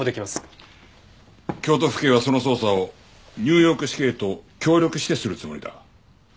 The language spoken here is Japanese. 京都府警はその捜査をニューヨーク市警と協力してするつもりだ。